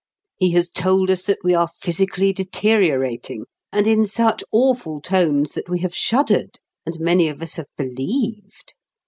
He has told us that we are physically deteriorating, and in such awful tones that we have shuddered, and many of us have believed.